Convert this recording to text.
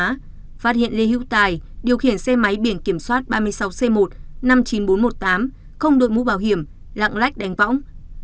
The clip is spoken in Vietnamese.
phát hiện lê hữu tài điều khiển xe máy biển kiểm soát ba mươi sáu c một năm mươi chín nghìn bốn trăm một mươi tám không đội mũ bảo hiểm lạng lách đánh võng